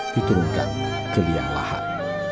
diturunkan ke liang lahat